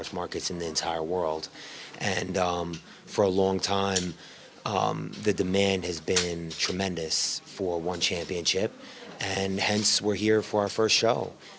dan sehingga kita datang untuk pertarungan pertama